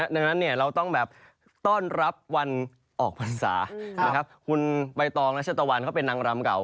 เราก็จำกว่าต้อนรับวันออกภาษาขุนใบตองวงศาตาวัลเป็นนางรำก่่าว